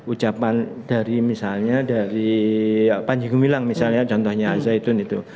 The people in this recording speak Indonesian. ucapan dari misalnya dari panji gumilang misalnya contohnya al zaitun itu